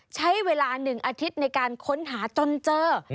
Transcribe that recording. ใช้เวลา๑อาทิตย์ในการค้นหาจนเจอ